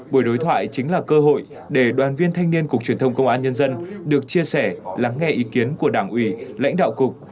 buổi đối thoại chính là cơ hội để đoàn viên thanh niên cục truyền thông công an nhân dân được chia sẻ lắng nghe ý kiến của đảng ủy lãnh đạo cục